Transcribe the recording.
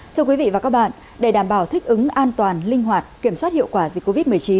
thưa quý vị và các bạn để đảm bảo thích ứng an toàn linh hoạt kiểm soát hiệu quả dịch covid một mươi chín